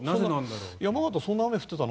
山形、そんな雨降ってたの？